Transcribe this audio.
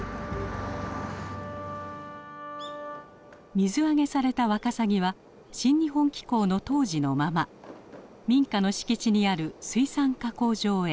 水揚げされたワカサギは「新日本紀行」の当時のまま民家の敷地にある水産加工場へ。